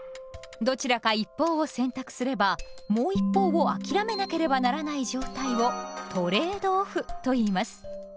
どちらか一方を選択すればもう一方を諦めなければならない状態をトレード・オフといいます。